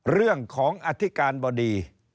เรื่องของอธิการบดี